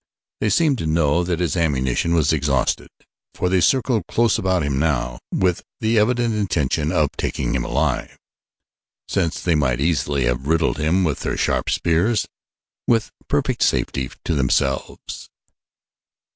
They seemed to know that his ammunition was exhausted, for they circled close about him now with the evident intention of taking him alive, since they might easily have riddled him with their sharp spears with perfect safety to themselves.